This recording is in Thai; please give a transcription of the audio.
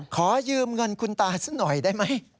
ขอยืมเงินคุณตาซะหน่อยได้ไหม